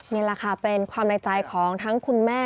นี่แหละค่ะเป็นความในใจของทั้งคุณแม่